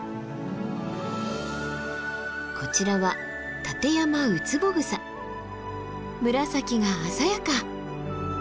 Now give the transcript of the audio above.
こちらは紫が鮮やか！